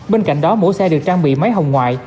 bên cạnh đó mỗi xe được trang bị máy hồng ngoại